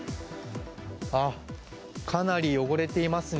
かなり汚れていますね。